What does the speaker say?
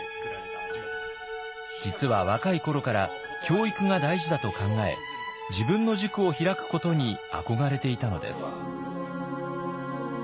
実は若い頃から教育が大事だと考え自分の塾を開くことに憧れていたのです。